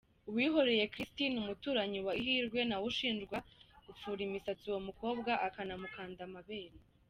Uwihoreye Christine umuturanyi wa Ihirwe, nawe ushinjwa gupfura imisatsi uwo mukobwa akanamukanda amabere.